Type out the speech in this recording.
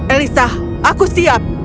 elisa aku siap